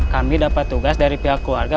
kami dapat tugas dari pihak keluarga